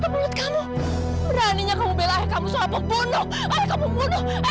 sampai jumpa di video selanjutnya